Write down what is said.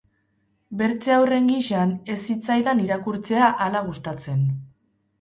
Bertze haurren gisan, ez zitzaidan irakurtzea hala gustatzen.